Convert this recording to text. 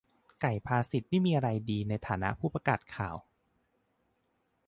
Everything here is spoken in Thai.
ไก่ภาษิตนี่มีอะไรดีในฐานะผู้ประกาศข่าว ? -_